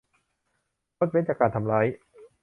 งดเว้นจากการทำร้าย